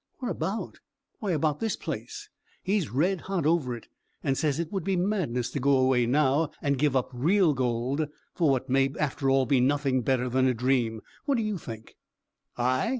"What about? Why, about this place. He's red hot over it, and says it would be madness to go away now and give up real gold for what may after all be nothing better than a dream. What do you think?" "I?"